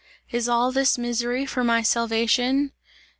Is all this misery for my salvation?